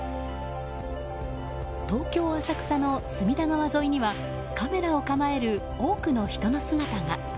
東京・浅草の隅田川沿いにはカメラを構える多くの人の姿が。